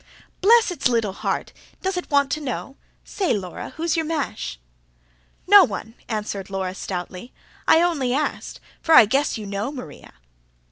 "Bless its little heart! Does it want to know? say, Laura, who's your mash?" "No one," answered Laura stoutly. "I only asked. For I guess you KNOW, Maria."